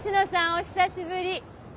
お久しぶり。